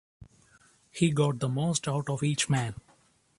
He got the most out of each man.